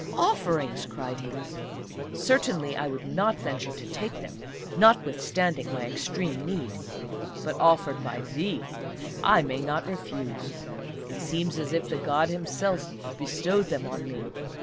"Offerings!" cried he. "Certainly I would not venture to take them notwithstanding my extreme need; but offered by thee I may not refuse; it seems as if the God himself bestowed them on me....